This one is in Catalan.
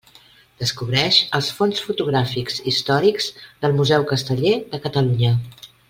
Descobreix els fons fotogràfics històrics del Museu Casteller de Catalunya.